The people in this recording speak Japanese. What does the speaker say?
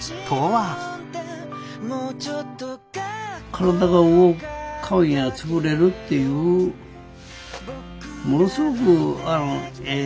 体が動くかぎりは作れるっていうものすごくええ